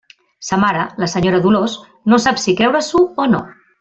Sa mare, la senyora Dolors, no sap si creure-s'ho o no.